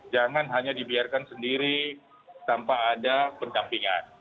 jangan hanya dibiarkan sendiri tanpa ada pendampingan